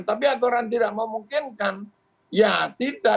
tapi aturan tidak memungkinkan ya tidak